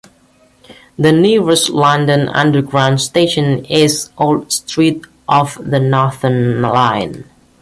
The nearest London Underground station is Old Street on the Northern line.